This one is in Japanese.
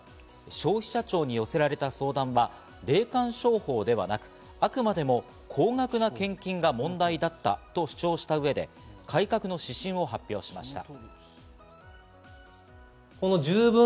消費者庁に寄せられた相談は霊感商法ではなくあくまでも高額な献金が問題だったと主張した上で、改革の指針を発表しました。